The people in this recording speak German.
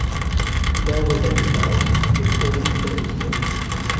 Darüber hinaus wird Honig produziert.